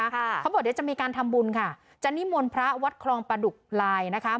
เขาบอกเดี๋ยวจะมีการทำบุญค่ะจะนิมนต์พระวัดคลองประดุกลายนะคะ